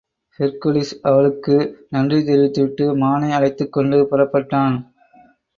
Hercules அவளுக்கு நன்றி தெரிவித்துவிட்டு, மானை அழைத்துக்கொண்டு புறப்பட்டான்.